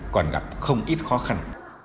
còn gặp không ít khó khăn